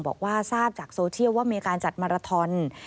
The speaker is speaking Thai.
บอกว่าทราบจากโซเชียลว่ามีการจัดมาราทอน